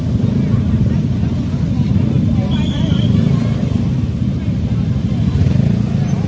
เมื่อเวลาเกิดขึ้นมันกลายเป้าหมาย